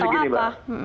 maksudnya gini mbak